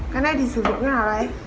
cái này thì sử dụng như thế nào đấy